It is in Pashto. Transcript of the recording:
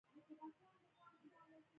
دوی وسلې نورو ته پلوري.